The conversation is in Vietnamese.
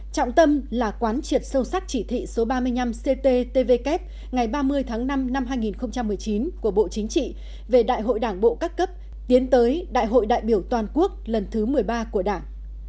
trọng tâm là quán triệt sâu sắc chỉ thị số ba mươi năm cttvk ngày ba mươi tháng năm năm hai nghìn một mươi chín của bộ chính trị về đại hội đảng bộ các cấp tiến tới đại hội đại biểu toàn quốc lần thứ một mươi ba của đảng